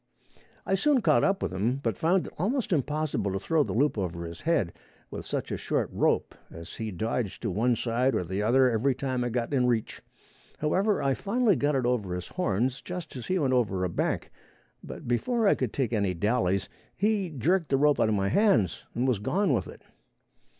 I soon caught up with him, but found it almost impossible to throw the loop over his head with such a short rope, as he dodged to one side or the other every time I got in reach. However, I finally got it over his horns just as he went over a bank, but before I could take any dallys, he jerked the rope out of my hands and was gone with it.